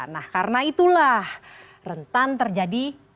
nah karena itulah rentan terjadi